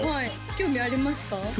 興味あります